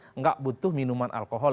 tidak butuh minuman alkohol